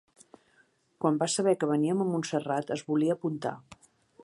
Quan va saber que veníem a Montserrat es volia apuntar.